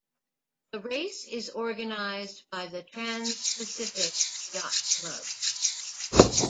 The race is organized by the Transpacific Yacht Club.